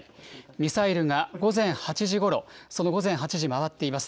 ミサイルが午前８時ごろ、その午前８時回っています。